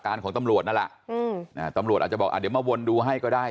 การของตำรวจน่ะล่ะตำรวจอาจจะบอกอ่ะเดี๋ยวมาวนดูให้ก็ได้